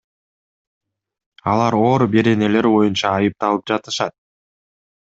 Алар оор беренелер боюнча айтыпталып жатышат.